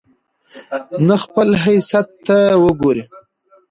نه خپل حيثت ته وګوري